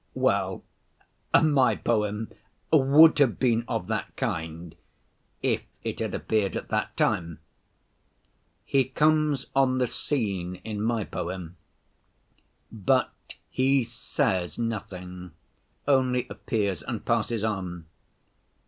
Well, my poem would have been of that kind if it had appeared at that time. He comes on the scene in my poem, but He says nothing, only appears and passes on.